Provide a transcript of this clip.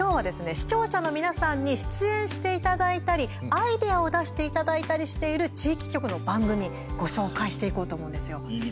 視聴者の皆さんに出演していただいたりアイデアを出していただいたりしている地域局の番組ご紹介していこうと思うんですよ。